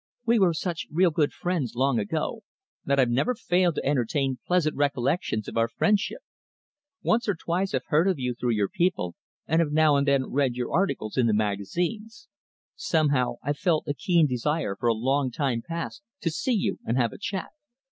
"We were such real good friends long ago that I've never failed to entertain pleasant recollections of our friendship. Once or twice I've heard of you through your people, and have now and then read your articles in the magazines. Somehow I've felt a keen desire for a long time past to see you and have a chat."